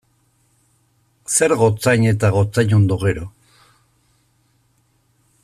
Zer gotzain eta gotzainondo, gero?